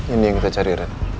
ini yang kita cari